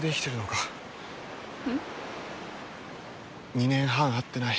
２年半会ってない。